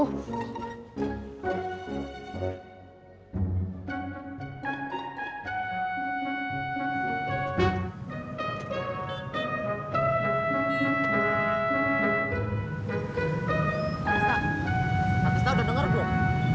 hatisna hatisna udah denger belum